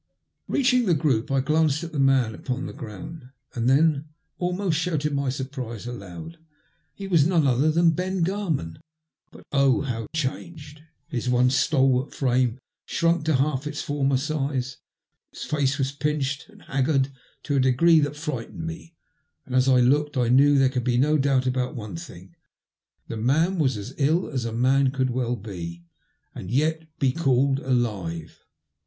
Beaching the group I glanced at the man npon the ground, and then almost shouted my surprise aloud. He was none other then Ben Garman, but oh, how changed! His once stalwart frame shrunk to half its former size, his face was pinched and haggard to a degree that frightened me, and, as I looked, I knew there could be no doubt about one thing, the man was as ill as a man could well be and yet be called alive.